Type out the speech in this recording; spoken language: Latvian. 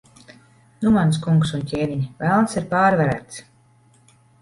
Nu, mans kungs un ķēniņ, Velns ir pārvarēts.